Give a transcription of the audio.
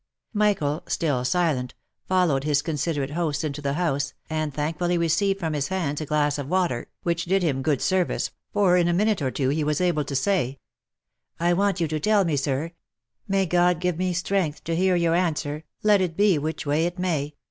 Michael, still silent, followed his considerate host into the house, and thankfully received from his hands a glass of water, which did him good service, for in a minute or two he was able to say, " I want you to tell me, sir — may God give me strength to hear your answer, let it be which way it may